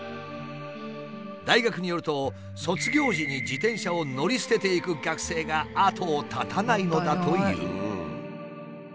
大学によると卒業時に自転車を乗り捨てていく学生が後を絶たないのだという。